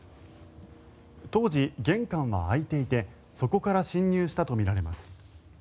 当時、玄関は開いていてそこから侵入したとみられます。